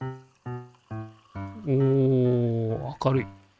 お明るい。